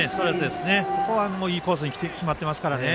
ここはいいコースに決まってますからね。